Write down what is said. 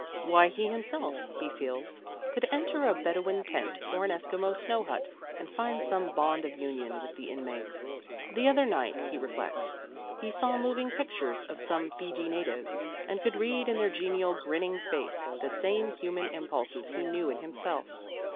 Why he himself, he feels, could enter a Bedouin tent or an Eskimo snow hut and find some bond of union with the inmates. The other night, he reflects, he saw moving pictures of some Fiji natives, and could read in their genial grinning faces the same human impulses he knew in himself.